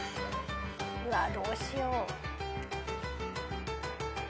うわどうしよう。